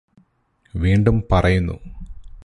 വീണ്ടും പറയുന്നു